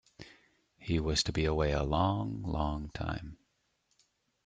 He was to be away a long, long time.